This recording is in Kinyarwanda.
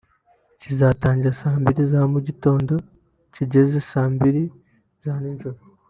kizatangira saa mbili za mu gitondo kigeze saa mbili z’ijoro